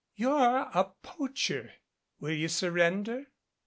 "You're a poacher. Will you surrender?"